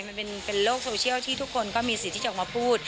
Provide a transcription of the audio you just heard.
มันเป็นโลกโซเชียลที่ทุกคนก็มีสิทธิ์ที่จะออกมาพูด